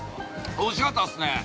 おいしかったっすね。